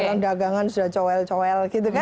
kalau dagangan sudah cowel cowel gitu kan